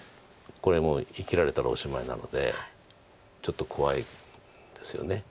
これもう生きられたらおしまいなのでちょっと怖いですよね。